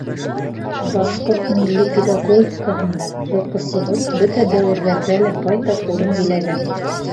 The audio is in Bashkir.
Башҡорт милли педагогикаһында йылҡысылыҡ бөтә дәүерҙәрҙә лә байтаҡ урын биләгән.